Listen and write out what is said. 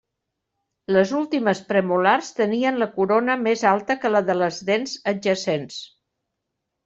Les últimes premolars tenien la corona més alta que la de les dents adjacents.